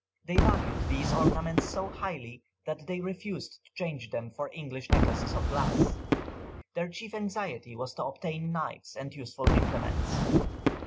They valued these ornaments so highly, that they refused to change them for English necklaces of glass. Their chief anxiety was to obtain knives and useful implements.